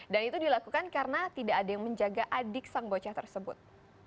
itu dilakukan karena tidak ada yang menjaga adik sang bocah tersebut